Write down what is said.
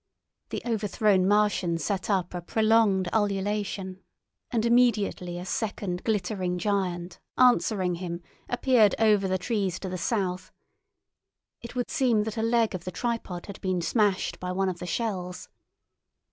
The overthrown Martian set up a prolonged ululation, and immediately a second glittering giant, answering him, appeared over the trees to the south. It would seem that a leg of the tripod had been smashed by one of the shells.